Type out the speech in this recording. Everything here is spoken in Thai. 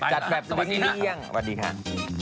จัดแบบสวัสดีนะสวัสดีค่ะ